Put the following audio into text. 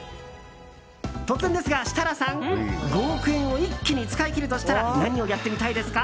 突然ですが、設楽さん。５億円を一気に使い切るとしたら何をやってみたいですか？